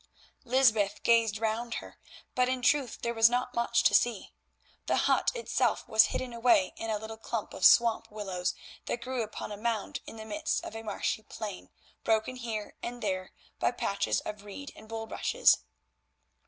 Lysbeth gazed round her, but in truth there was not much to see. The hut itself was hidden away in a little clump of swamp willows that grew upon a mound in the midst of a marshy plain, broken here and there by patches of reed and bulrushes.